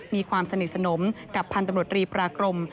มีความสนิทสนมกับพันธบรตรีปรากรม